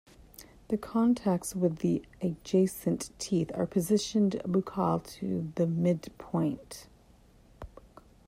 The contacts with the adjacent teeth are positioned buccal to the midpoint.